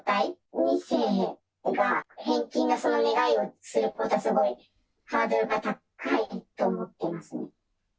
２世が返金の願いをすることは、すごいハードルが高いと思っていますね。